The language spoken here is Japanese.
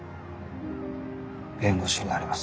弁護士になります。